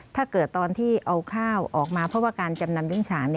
ตอนที่เอาข้าวออกมาเพราะว่าการจำนำยุ้งฉาน